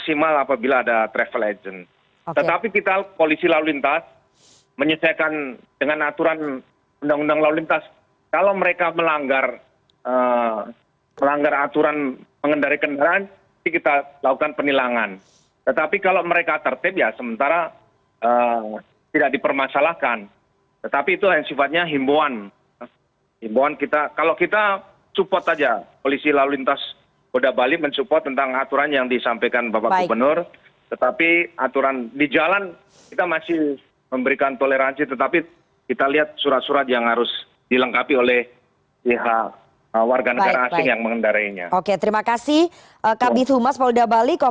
setelah beberapa tahun kemudian